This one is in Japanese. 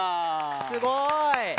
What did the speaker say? すごい！